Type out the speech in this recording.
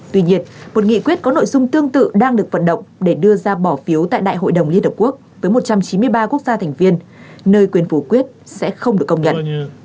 tuy nhiên một nghị quyết có nội dung tương tự đang được vận động để đưa ra bỏ phiếu tại đại hội đồng liên hợp quốc với một trăm chín mươi ba quốc gia thành viên nơi quyền phủ quyết sẽ không được công nhận